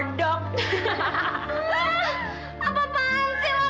apaan sih lo marah banget